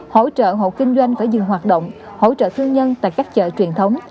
hỗ trợ hộ kinh doanh phải dừng hoạt động hỗ trợ thương nhân tại các chợ truyền thống